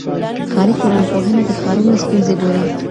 ښاري ټولنپوهنه د ښارونو ستونزې ګوري.